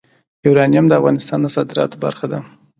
یورانیم د افغانستان د صادراتو برخه ده.